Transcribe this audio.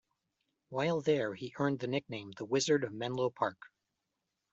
While there he earned the nickname the Wizard of Menlo Park.